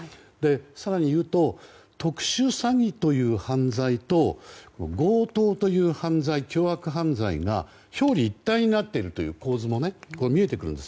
更にいうと特殊詐欺という犯罪と強盗という凶悪犯罪が表裏一体になっているという構図も見えてくるんです。